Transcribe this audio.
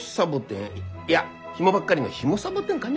いやひもばっかりのヒモサボテンかね。